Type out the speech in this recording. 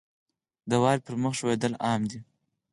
• د واورې پر مخ ښویېدل عام دي.